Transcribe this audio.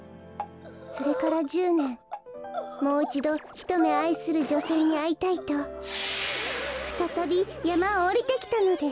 それから１０ねんもういちどひとめあいするじょせいにあいたいとふたたびやまをおりてきたのです。